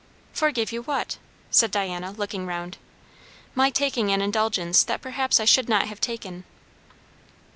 "Forgive you what?" said Diana, looking round. "My taking an indulgence that perhaps I should not have taken."